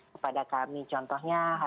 kepada kami contohnya